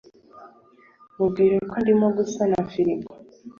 Mubwire ko ndimo gusana firigo